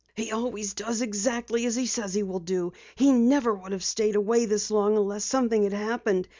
"He always does exactly as he says he will do. He never would have stayed away this long unless something had happened.